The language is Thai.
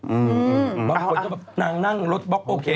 อึมมมบอกว่านางนั่งรถบอกโอเค